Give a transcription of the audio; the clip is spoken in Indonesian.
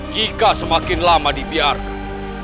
jika semakin lama dibiarkan